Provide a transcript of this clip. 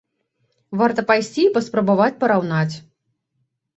Варта пайсці і паспрабаваць параўнаць.